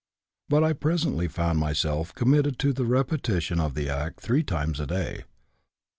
But I presently found myself committed to the repetition of the act three times a day.